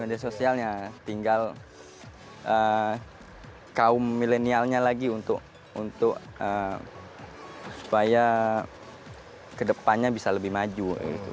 media sosialnya tinggal kaum milenialnya lagi untuk supaya kedepannya bisa lebih maju